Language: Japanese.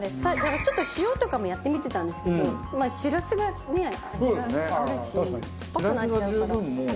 ちょっと塩とかもやってみてたんですけどしらすがね味があるし酸っぱくなっちゃうから。